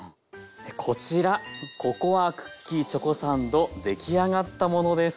こちらココアクッキーチョコサンド出来上がったものです。